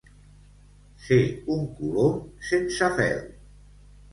Ser un colom sense fel.